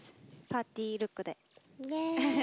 パーティールックで。